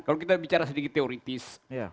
kalau kita bicara sedikit teoritis